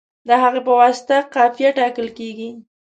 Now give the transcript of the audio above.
د هغه په واسطه قافیه ټاکل کیږي.